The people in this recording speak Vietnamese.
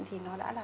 thì nó đã là